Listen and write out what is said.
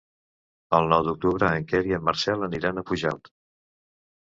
El nou d'octubre en Quer i en Marcel aniran a Pujalt.